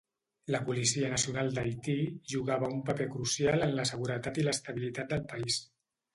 La Policia Nacional d'Haití jugava un paper crucial en la seguretat i l'estabilitat del país.